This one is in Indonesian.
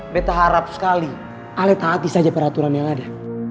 gue tak harap sekali alaik tak hati saja peraturan yang ada